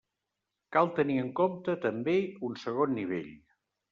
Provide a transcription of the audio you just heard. Cal tenir en compte, també, un segon nivell.